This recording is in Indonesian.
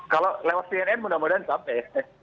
kalau lewat cnn mudah mudahan sampai